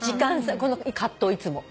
この葛藤いつも。